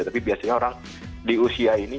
tapi biasanya orang di usia ini